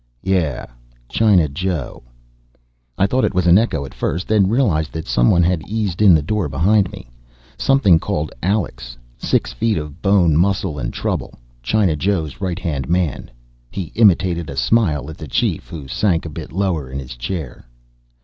"Yeah, China Joe." I thought it was an echo at first, then realized that someone had eased in the door behind me. Something called Alex. Six feet of bone, muscle and trouble. China Joe's right hand man. He imitated a smile at the Chief who sank a bit lower in his chair.